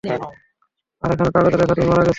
আরে এখানে কাগজে লেখা তুমি মারা গেছো!